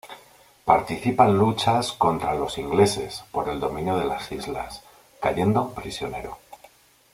Participa en luchas contra los ingleses por el dominio de las islas, cayendo prisionero.